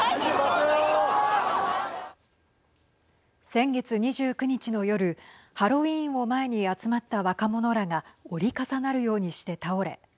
先月２９日の夜ハロウィーンを前に集まった若者らが折り重なるようにして倒れ